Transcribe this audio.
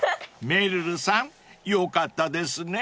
［めるるさんよかったですね］